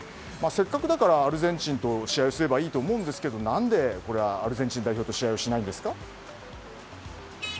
せっかくだからアルゼンチンと試合をすればいいと思うんですが何でアルゼンチン代表と試合をしないんですか？